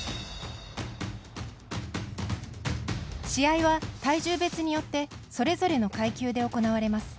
試合は、体重別によってそれぞれの階級で行われます。